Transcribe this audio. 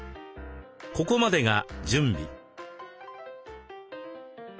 ここまでが準備。